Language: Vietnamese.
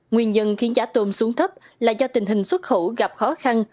nguyên nhân khiến giá tôm xuống thấp là do tình hình xuất khẩu gặp khó khăn